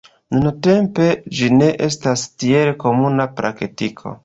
Nuntempe ĝi ne estas tiel komuna praktiko.